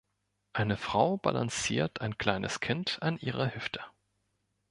Eine Frau balanciert ein kleines Kind an ihrer Hüfte.